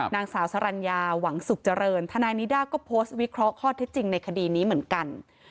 นางสาวสรรญาหวังสุขเจริญทนายนิด้าก็โพสต์วิเคราะห์ข้อเท็จจริงในคดีนี้เหมือนกัน